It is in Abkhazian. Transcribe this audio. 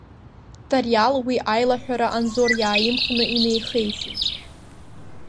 Тариал уи аилаҳәара Анзор иааимхны инеихеиҵеит.